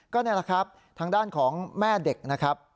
ก็นี่แหละครับทางด้านของแม่เด็กนะครับ